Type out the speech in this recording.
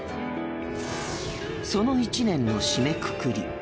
その１年の締めくくり。